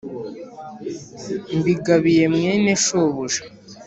mbigabiye mwene shobuja.